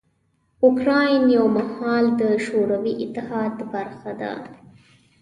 اوکراین یو مهال د شوروي اتحاد برخه وه.